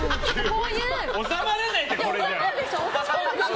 収まらないって、これじゃ。